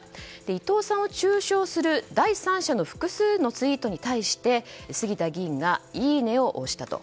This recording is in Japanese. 伊藤さんを中傷する第三者の複数のツイートに対して杉田議員がいいねを押したと。